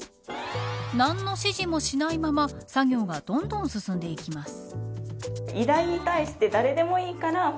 何の指示もしないまま作業がどんどん進んでいきます。